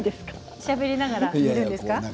しゃべりながらやるんですか。